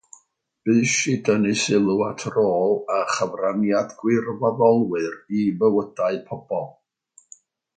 Bush i dynnu sylw at rôl a chyfraniad gwirfoddolwyr i fywydau pobl.